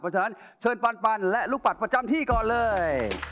เพราะฉะนั้นเชิญปันและลูกปัดประจำที่ก่อนเลย